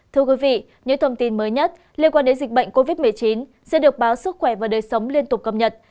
thưa quý vị những thông tin mới nhất liên quan đến dịch bệnh covid một mươi chín sẽ được báo sức khỏe và đời sống liên tục cập nhật